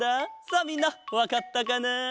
さあみんなわかったかなあ？